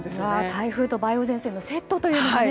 台風と梅雨前線のセットというのがね。